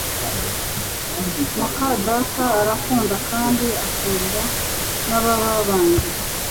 mukadata arankunda kandi akunda nababa banjye